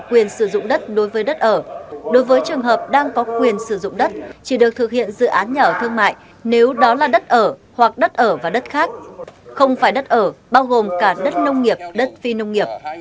quyền sử dụng đất đối với đất ở đối với trường hợp đang có quyền sử dụng đất chỉ được thực hiện dự án nhà ở thương mại nếu đó là đất ở hoặc đất ở và đất khác không phải đất ở bao gồm cả đất nông nghiệp đất phi nông nghiệp